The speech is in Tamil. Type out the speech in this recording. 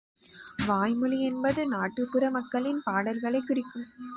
வாய்மொழி என்பது நாட்டுப்புற மக்களின் பாடல்களைக் குறிக்கும்.